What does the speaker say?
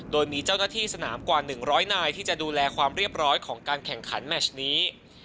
โดยมีเจ้าหน้าที่สนามกว่า๑๐๐นายที่จะดูแลความเรียบร้อยของการแข่งขันแมชนี้